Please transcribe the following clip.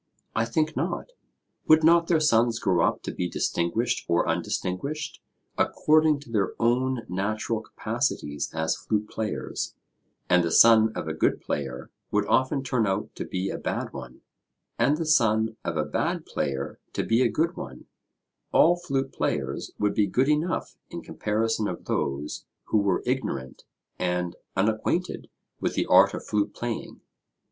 I think not. Would not their sons grow up to be distinguished or undistinguished according to their own natural capacities as flute players, and the son of a good player would often turn out to be a bad one, and the son of a bad player to be a good one, all flute players would be good enough in comparison of those who were ignorant and unacquainted with the art of flute playing?